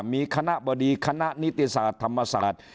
มีคณะบดีคณะนิติศาสตร์ธรรมศาสตร์